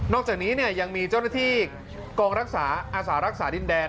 อกจากนี้ยังมีเจ้าหน้าที่กองรักษาอาสารักษาดินแดน